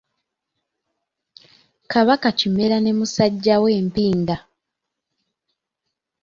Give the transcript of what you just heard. Kabaka Kimera ne musajja we Mpinga.